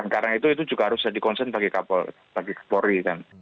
karena itu juga harusnya dikonsent bagi kapolri